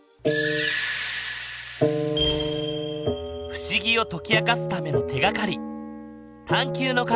不思議を解き明かすための手がかり